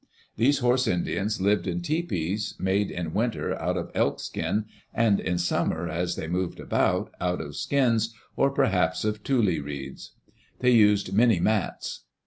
These horse Indians lived in tepees, made in winter out of elk skin, and in summer, as they moved about, out of skins or, perhaps, of tule reeds. They used many mats.